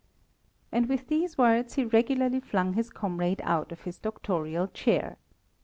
And with these words he regularly flung his comrade out of his doctorial chair.